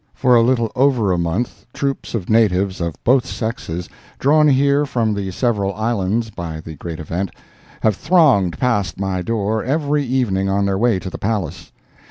For a little over a month, troops of natives of both sexes, drawn here from the several islands by the great event, have thronged past my door every evening on their way to the palace.